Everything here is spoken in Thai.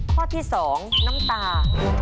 ข้อที่๒น้ำตา